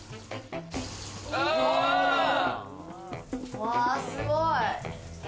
うわ、すごい！